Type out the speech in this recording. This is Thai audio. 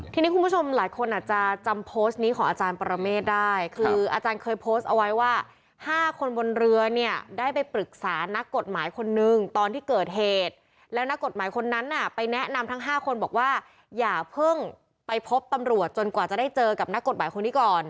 ทีนี้คุณผู้ชมหลายคนอาจจะจำโพสต์นี้ของอาจารย์ปรเมฆได้คืออาจารย์เคยโพสต์เอาไว้ว่า๕คนบนเรือเนี่ยได้ไปปรึกษานักกฎหมายคนนึงตอนที่เกิดเหตุแล้วนักกฎหมายคนนั้นน่ะไปแนะนำทั้ง๕คนบอกว่าอย่าเพิ่งไปพบตำรวจจนกว่าจะได้เจอกับนักกฎหมายคนนี้ก่อน